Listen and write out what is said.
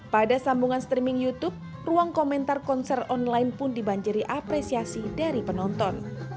pada sambungan streaming youtube ruang komentar konser online pun dibanjiri apresiasi dari penonton